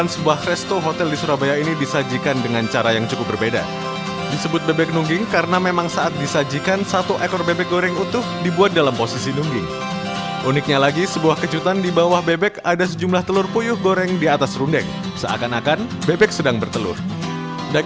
selezat rasanya disajikan dengan sayuran seperti selada tomat ketimun dan tumis bungcis bersama sejumlah rempah seperti bawang putih dan cabai merah